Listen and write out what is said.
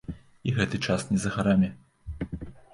І гэты час не за гарамі.